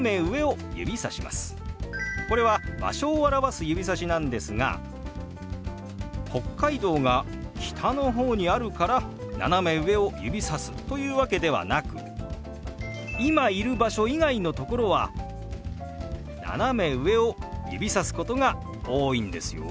これは場所を表す指さしなんですが北海道が北の方にあるから斜め上を指さすというわけではなく今いる場所以外の所は斜め上を指すことが多いんですよ。